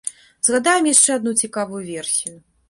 Згадаем яшчэ адну цікавую версію.